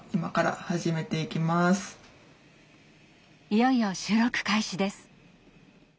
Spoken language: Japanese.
いよいよ収録開始です。